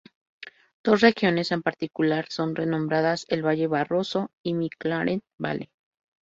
Dos regiones en particular son renombradas: el Valle Barrosa y McLaren Vale.